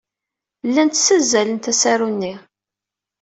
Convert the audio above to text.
Llant ssazzalent asaru-nni.